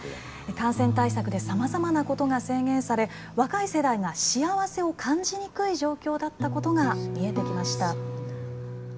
感染対策でさまざまなことが制限され若い世代が幸せを感じにくい状況だったことが見えてきました。